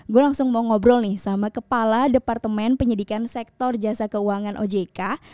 gue langsung mau ngobrol nih sama kepala departemen penyidikan sektor jasa keuangan ojk